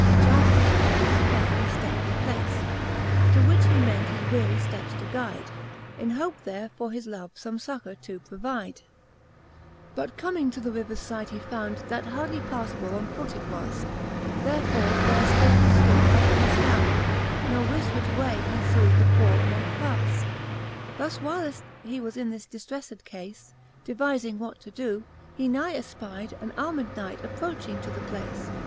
He chaunft to Ipie a faire and fi:ately place, To which he meant his weary fteps to guyde, In hope there for his love fbme fiiccour to provyde. XXX. But Cant. III. the Faerie Queene, Z4P But commlng to the rivers fide, he found, That hardly pailable on foote it was; Therefore there ftill he ftood as in a ftound, Ne wlft which way he through the foord mote pas. Thus whilft he was in this diftrelled cafe, Devifing what to doe, he nigh efpyde An armed Knight approaching to the place.